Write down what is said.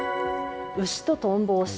牛とトンボ推し